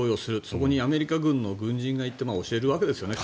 そこにアメリカ軍の軍人が行って教えるわけですよね。